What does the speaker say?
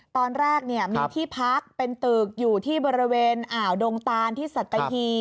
ตอนแรกมีที่พักเป็นตึกอยู่ที่บริเวณอ่าวดงตานที่สัตหี